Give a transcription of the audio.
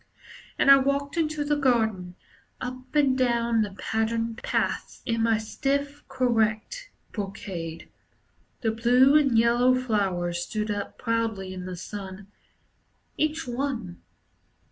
And I walked into the garden, Up and down the patterned paths, In my stiff, correct brocade. The blue and yellow flowers stood up proudly in the sun, Each one.